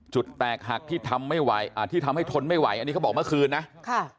แตกหักที่ทำไม่ไหวอ่าที่ทำให้ทนไม่ไหวอันนี้เขาบอกเมื่อคืนนะค่ะ